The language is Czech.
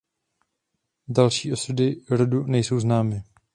Další osudy rodu nejsou známy.